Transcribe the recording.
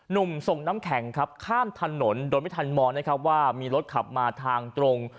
หนุ่มส่งน้ำแข็งครับข้ามถนนโดยไม่ทันมองนะครับว่ามีรถขับมาทางตรง